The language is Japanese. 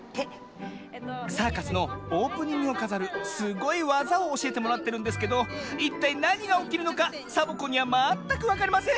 サーカスのオープニングをかざるすごいわざをおしえてもらってるんですけどいったいなにがおきるのかサボ子にはまったくわかりません。